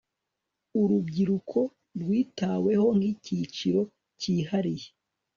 urubyiruko rwitaweho nk'icyiciro kihariye